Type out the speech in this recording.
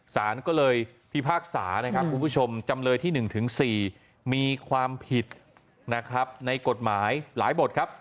สารก็เลยพิพากษานะครับคุณผู้ชมจำเลยที่๑๔มีความผิดนะครับในกฎหมายหลายบทครับ